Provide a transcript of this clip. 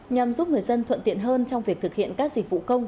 nhằm giúp người dân thuận tiện hơn trong việc thực hiện các dịch vụ công